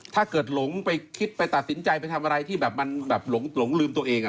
ถ้าเกิดหลงไปคิดไปตัดสินใจไปทำอะไรที่แบบมันแบบหลงลืมตัวเอง